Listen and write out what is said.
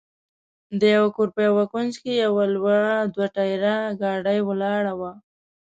د کور په یوه کونج کې یوه لویه دوه ټایره ګاډۍ ولاړه وه.